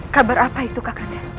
kabar apa itu kakanda